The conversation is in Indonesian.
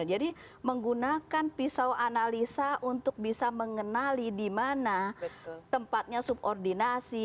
jadi menggunakan pisau analisa untuk bisa mengenali di mana tempatnya subordinasi